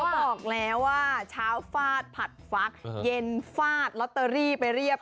บอกแล้วว่าเช้าฟาดผัดฟักเย็นฟาดลอตเตอรี่ไปเรียบ